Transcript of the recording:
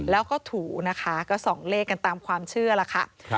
แล้วก็ถูกอีก๒เลขตามความเชื่อละฮะ